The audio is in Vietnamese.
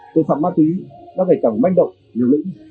tội phạm ma túy đã ngày càng manh động liều lĩnh